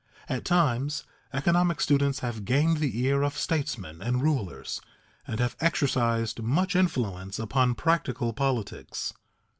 At times economic students have gained the ear of statesmen and rulers, and have exercised much influence upon practical politics.